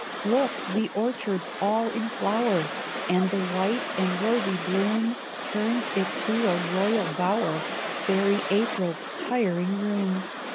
Look! the orchard's all in flower, And the white and rosy bloom Turns it to a royal bower, Fairy April's tiring room.